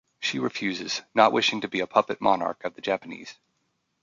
She refuses, not wishing to be a puppet monarch of the Japanese.